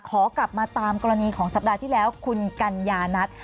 ขอกลับมาตามกรณีของสัปดาห์ที่แล้วคุณกัญญานัท